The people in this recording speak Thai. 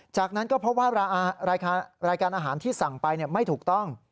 จากนั้นก็พบว่ารายการอาหารที่สั่งไปไม่ถูกต้อง